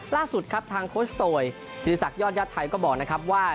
ล่าสุดครับทางโคชโตยศิริษักยอดญาติไทยก็บอกนะครับว่า